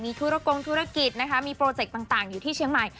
ธุรกงธุรกิจนะคะมีโปรเจกต์ต่างอยู่ที่เชียงใหม่